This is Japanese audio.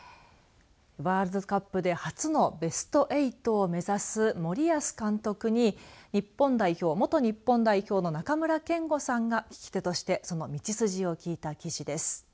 ワールドカップで初のベスト８を目指す森保監督に元日本代表の中村憲剛さんが聞き手としてその道筋を聴いた記事です。